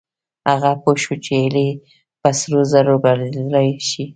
هغه پوه شو چې هيلې په سرو زرو بدلېدلای شي.